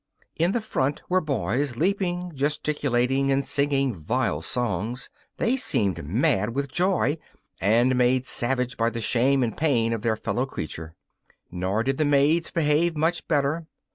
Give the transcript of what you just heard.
In the front were boys, leaping, gesticulating and singing vile songs. They seemed mad with joy and made savage by the shame and pain of their fellow creature. Nor did the maids behave much better.